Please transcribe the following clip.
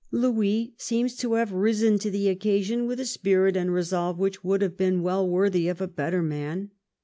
Louis seems to have risen to the occasion with a spirit and resolve which would have been well worthy of a better man.